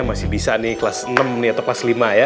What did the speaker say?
masih bisa nih kelas enam nih atau kelas lima ya